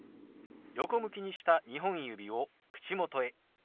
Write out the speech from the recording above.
横向きにした２本指を口元へ。